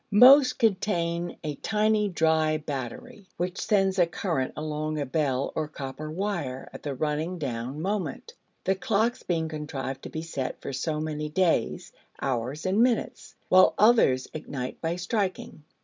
Most contain a tiny dry battery, which sends a current along a bell or copper wire at the running down moment, the clocks being contrived to be set for so many days, hours, and minutes, while others ignite by striking.